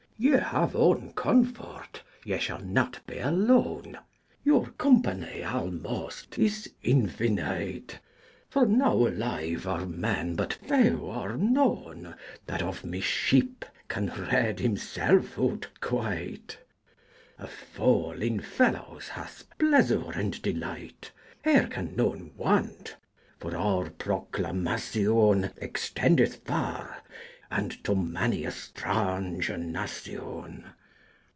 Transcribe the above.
Ye have one confort, ye shall nat be alone: Your company almoste is infynyte; For nowe alyve ar men but fewe or none That of my shyp can red hym selfe out quyte. A fole in felawes hath pleasour and delyte. Here can none want, for our proclamacion Extendyth farre: and to many a straunge nacyon.